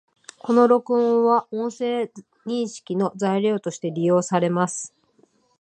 この録音は、音声認識の材料として利用されます